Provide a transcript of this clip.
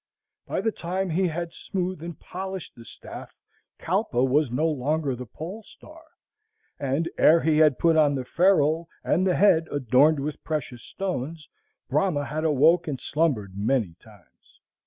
By the time he had smoothed and polished the staff Kalpa was no longer the pole star; and ere he had put on the ferrule and the head adorned with precious stones, Brahma had awoke and slumbered many times.